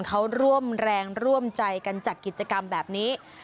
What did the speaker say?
เขาร่วมแรงร่วมใจกันจัดกิจกรรมแบบนี้